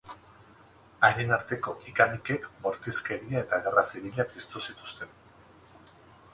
Haien arteko ika-mikek bortizkeria eta gerra zibila piztu zituzten.